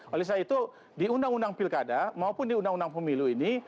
oleh sebab itu di undang undang pilkada maupun di undang undang pemilu ini